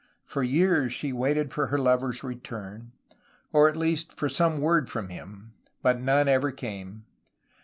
For years she waited for her lover's return, or at least for some word from him, but none ever came.